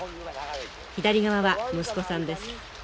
左側は息子さんです。